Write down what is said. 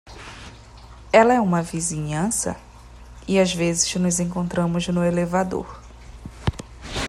Ela é uma vizinhança? e às vezes nos encontramos no elevador.